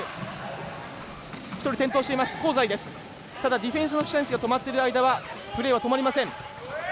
ディフェンスの選手が止まっている間プレー止まりません。